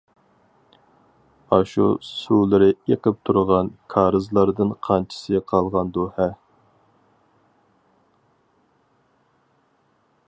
ئاشۇ سۇلىرى ئېقىپ تۇرغان كارىزلاردىن قانچىسى قالغاندۇ ھە!